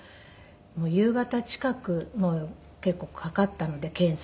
夕方近く結構かかったので検査に。